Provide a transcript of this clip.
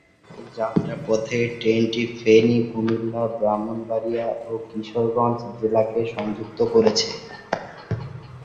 যাত্রাপথে ট্রেনটি ফেনী, কুমিল্লা, ব্রাহ্মণবাড়িয়া ও কিশোরগঞ্জ জেলাকে সংযুক্ত করেছে।